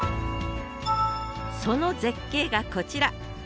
その絶景がこちら。